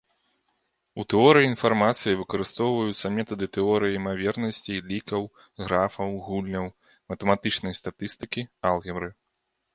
У тэорыі інфармацыі выкарыстоўваюцца метады тэорый імавернасцей, лікаў, графаў, гульняў, матэматычнай статыстыкі, алгебры.